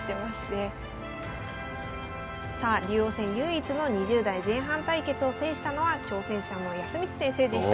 さあ竜王戦唯一の２０代前半対決を制したのは挑戦者の康光先生でした。